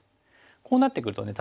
こうなってくるとね